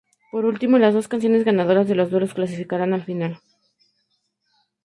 Por último, las dos canciones ganadoras de los duelos clasificarán a la final.